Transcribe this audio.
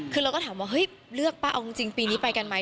คือเราก็ถามว่าเฮ้ยเลือกป้าเอาจริงปีนี้ไปกันไหม